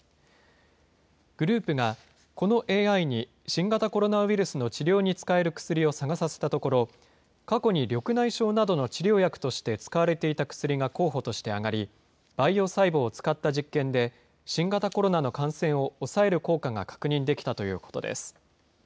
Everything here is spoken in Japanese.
グループがこのＡＩに、新型コロナウイルスの治療に使える薬を探させたところ、過去に緑内障などの治療薬として使われていた薬が候補として挙がり、培養細胞を使った実験で、新型コロナの感染を抑える効果が確認できたということです。